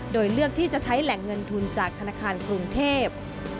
โดยเลือกที่จะใช้แหล่งเงินทุนจากธนาคารกรุงเทพ